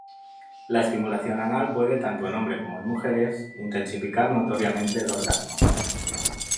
La estimulación anal puede, tanto en hombre como en mujeres, intensificar notoriamente el orgasmo.